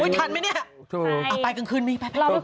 ที่นี่